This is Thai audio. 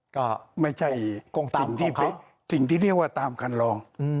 ก็ไม่ใช่สิ่งที่เรียกว่าตามคันรอง